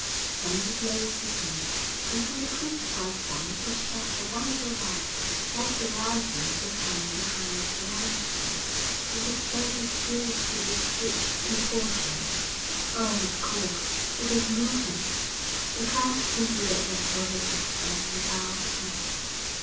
Then the glow deepened, and from the Crucified One was shed a wonderful light like the rising of the sun behind the mountains, and the church was filled with its rich effulgence. 'Oh, God, it is moving!' The Christ seemed to look at Brother Jasper and bow His head.